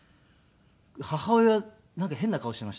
母親なんか変な顔していましたけどね。